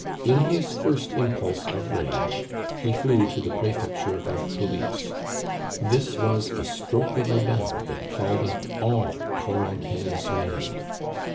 In his first impulse of rage he flew to the prefecture of police. This was a stroke of a bell that called up all Corentin's men.